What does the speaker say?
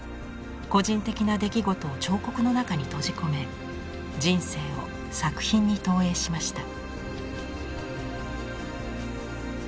個人的な出来事を彫刻の中に閉じ込め人生を作品に投影しました。